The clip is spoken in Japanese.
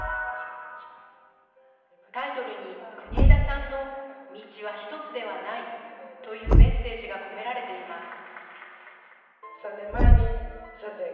タイトルに国枝さんの道は１つではないというメッセージが込められています。